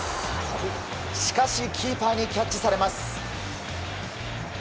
しかしキーパーにキャッチされます。